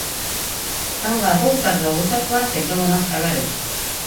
Тыңлап ултырҙы-ултырҙы ла теге уның хәбәрен: